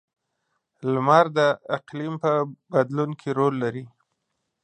• لمر د اقلیم په بدلون کې رول لري.